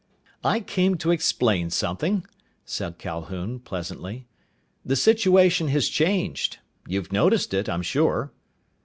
"I came to explain something," said Calhoun pleasantly. "The situation has changed. You've noticed it, I'm sure."